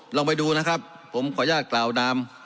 ลองไปดูนะครับผมขออนุญาตกล่าวนาม